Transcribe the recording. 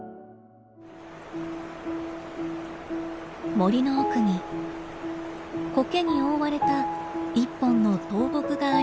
森の奥にコケに覆われた１本の倒木がありました。